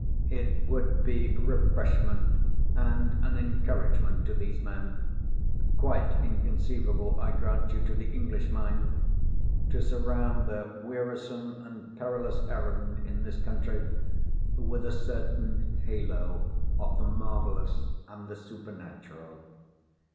It would be refreshment and an encouragement to those men—quite inconceivable, I grant you, to the English mind—to surround their wearisome and perilous errand in this country with a certain halo of the marvellous and the supernatural.